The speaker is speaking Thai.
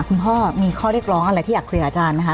คุณพ่อมีข้อเรียกร้องอะไรที่อยากคุยกับอาจารย์ไหมคะ